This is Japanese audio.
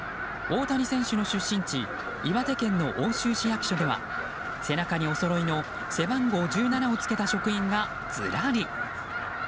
大谷選手の出身地岩手県の奥州市役所では背中におそろいの背番号１７をつけた職員がずらり。